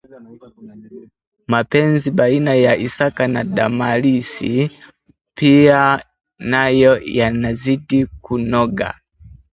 mapenzi baina ya Isaka na Damaris pia nayo yanazidi kunoga